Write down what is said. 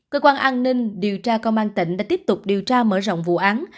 cơ quan an ninh điều tra công an tỉnh đã tiếp tục điều tra mở rộng vụ án